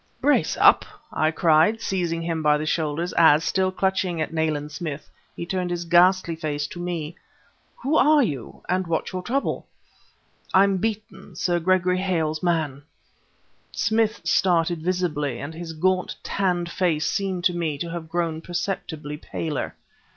"Brace up!" I cried, seizing him by the shoulders as, still clutching at Nayland Smith, he turned his ghastly face to me. "Who are you, and what's your trouble?" "I'm Beeton, Sir Gregory Hale's man." Smith started visibly, and his gaunt, tanned face seemed to me to have grown perceptively paler.